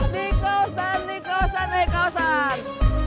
dekausan dekausan dekausan